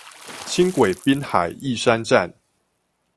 輕軌濱海義山站